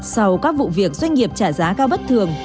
sau các vụ việc doanh nghiệp trả giá cao bất thường